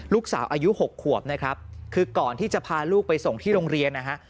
ลูกสาวอายุ๖ขวบนะครับคือก่อนที่จะพาลูกไปส่งที่โรงเรียนนะฮะ